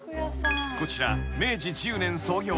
［こちら明治１０年創業］